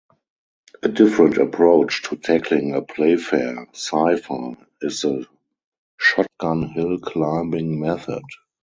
A different approach to tackling a Playfair cipher is the shotgun hill climbing method.